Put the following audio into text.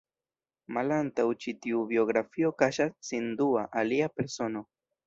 Malantaŭ ĉi-tiu biografio kaŝas sin dua, alia persono.